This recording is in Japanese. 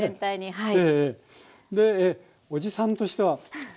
はい。